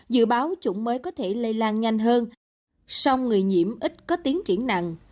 dự báo chủng mới có thể lây lan nhanh hơn song người nhiễm ít có tiến triển nặng